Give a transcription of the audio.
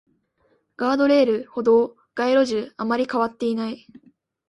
ガードレール、歩道、街路樹、あまり変わっていない